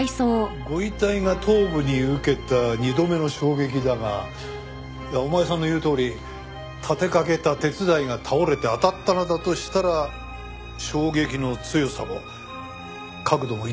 ご遺体が頭部に受けた２度目の衝撃だがお前さんの言うとおり立てかけた鉄材が倒れて当たったのだとしたら衝撃の強さも角度も一致すると言える。